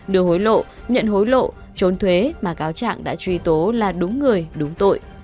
đưa hối lộ nhận hối lộ trốn thuế mà cáo trạng đã truy tố là đúng người đúng tội